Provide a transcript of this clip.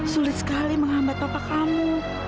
sulit sekali menghambat bapak kamu